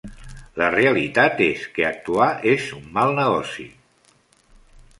La realitat és que actuar és un mal negoci...